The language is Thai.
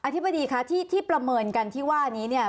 อธิบดีค่ะที่ประเมินกันที่ว่านี้